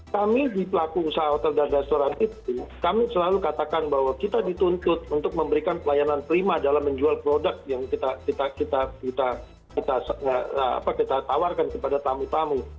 kami di pelaku usaha hotel dan restoran itu kami selalu katakan bahwa kita dituntut untuk memberikan pelayanan prima dalam menjual produk yang kita tawarkan kepada tamu tamu